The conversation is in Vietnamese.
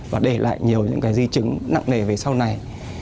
và để lại nhiều những cái di chứng nặng nề về sau này